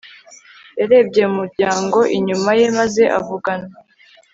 Yarebye mu muryango inyuma ye maze avugana